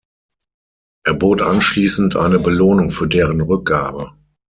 Er bot anschließend eine Belohnung für deren Rückgabe.